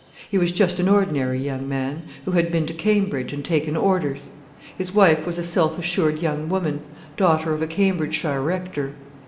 He was just an ordinary young man, who had been to Cambridge and taken orders. His wife was a self assured young woman, daughter of a Cambridgeshire rector.